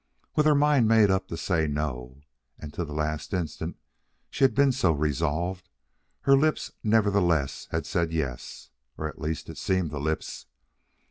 With her mind made up to say no and to the last instant she had been so resolved her lips nevertheless had said yes. Or at least it seemed the lips.